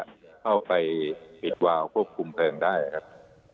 ที่จะเข้าไปปิดหวาวของปุ่มเผิงได้ครับ